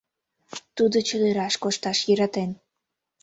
Тудо чодыраш кошташ йӧратен.